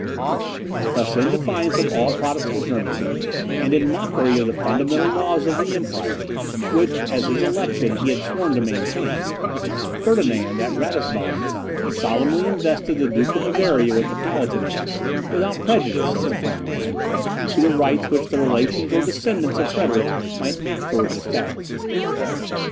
Thus, in defiance of all Protestant Germany, and in mockery of the fundamental laws of the empire, which, as his election, he had sworn to maintain, Ferdinand at Ratisbon solemnly invested the Duke of Bavaria with the Palatinate, without prejudice, as the form ran, to the rights which the relations or descendants of Frederick might afterwards establish.